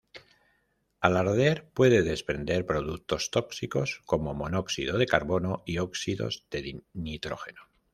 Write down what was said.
Al arder puede desprender productos tóxicos como monóxido de carbono y óxidos de nitrógeno.